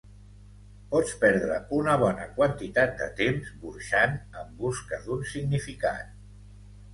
Pots perdre una bona quantitat de temps burxant en busca d'un significat.